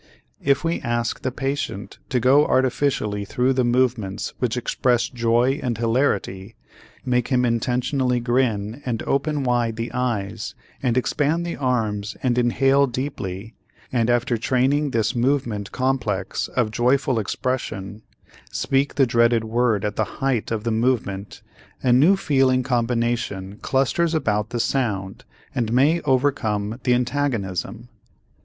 If we ask the patient to go artificially through the movements which express joy and hilarity, make him intentionally grin and open wide the eyes and expand the arms and inhale deeply, and after training this movement complex of joyful expression, speak the dreaded word at the height of the movement a new feeling combination clusters about the sound and may overcome the antagonism.